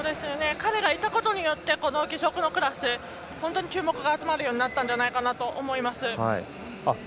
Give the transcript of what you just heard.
彼がいたことによって義足のクラス本当に注目が集まるようになったんじゃないかと思います。